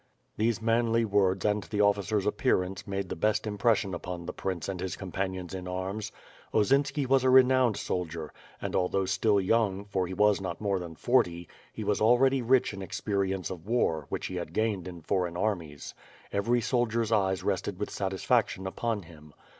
These manly words and the officer's appearance made the best impression upon the prince and his companions in arms. Osinski was a renowned soldier, and, although still young, for he was not more than forty, he was already rich in experi ence of war, whi^h he had gained in foreign armies. Every soldier's eyes rested with satisfaction upon him.